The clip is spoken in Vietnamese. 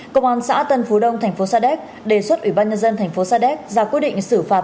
công an xã tân phú đông thành phố sa đéc đề xuất ủy ban nhân dân thành phố sa đéc ra quyết định xử phạt